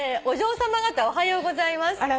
「お嬢さま方おはようございます」